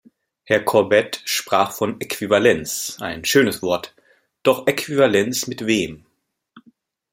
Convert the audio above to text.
Herr Corbett sprach von Äquivalenz - ein schönes Wort -, doch Äquivalenz mit wem?